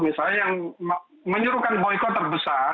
misalnya yang menyuruhkan boykot terbesar